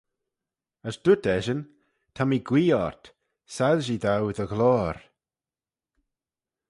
As dooyrt eshyn, Ta mee guee ort, soilshee dou dty ghloyr.